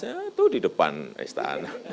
itu di depan istana